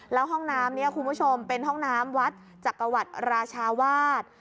แล้วห้องน้ำเนี่ยคุณผู้ชมเป็นห้องน้ำวัดจักรวรรดิราชาวาส